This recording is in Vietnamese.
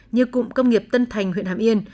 như cụm công nghiệp tân thành huyện hàm yên